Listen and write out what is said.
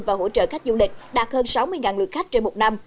và hỗ trợ khách du lịch đạt hơn sáu mươi lượt khách trên một năm